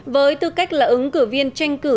với tư cách ứng cử viên tranh cử